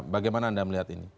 bagaimana anda melihat ini